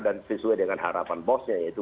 dan sesuai dengan harapan posnya yaitu